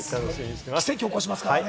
奇跡を起こしますからね。